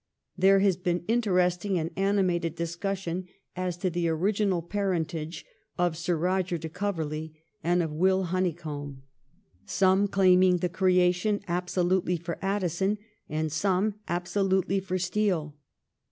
There has been interesting and animated discussion as to the original parentage of Sir Eoger de Coverley, and of Will Honeycomb, some claiming the creation absolutely for Addison, and some absolutely for Steele.